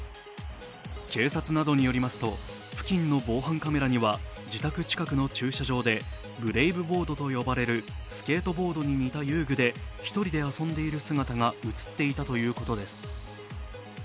警察などによりますと、付近の防犯カメラには自宅近くの駐車場でブレイブボードと呼ばれるスケートボードに似た遊具で１人で遊んでいる姿が映っていたということです。